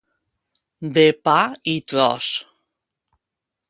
De pa i tros.